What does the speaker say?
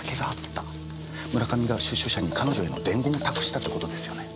村上が出所者に彼女への伝言を託したってことですよね。